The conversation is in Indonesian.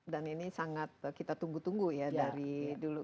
dan ini sangat kita tunggu tunggu ya dari dulu